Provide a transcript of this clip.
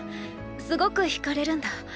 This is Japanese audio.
すごく惹かれるんだ。